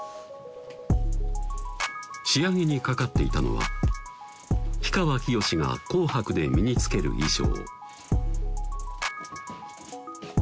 仕上げにかかっていたのは氷川きよしが「紅白」で身につける衣装